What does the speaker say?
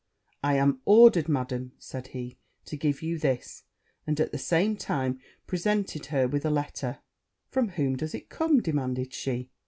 'I am ordered, Madam,' said he, 'to give you this;' and at the same time presented her with a letter. 'From whom does it come?' demanded she.